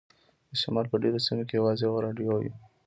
د شمال په ډیرو سیمو کې یوازې یوه راډیو وي